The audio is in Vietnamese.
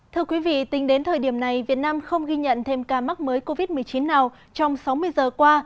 thưa quý vị tính đến thời điểm này việt nam không ghi nhận thêm ca mắc mới covid một mươi chín nào trong sáu mươi giờ qua